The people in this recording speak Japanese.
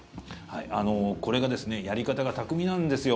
これがですねやり方が巧みなんですよ。